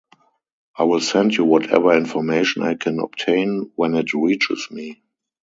I will send you whatever information I can obtain when it reaches me.